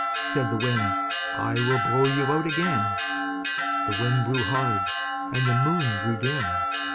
Said the Wind "I will blow you out again." The Wind blew hard, and the Moon grew dim.